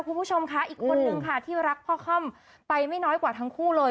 คุณผู้ชมค่ะอีกคนนึงค่ะที่รักพ่อค่อมไปไม่น้อยกว่าทั้งคู่เลย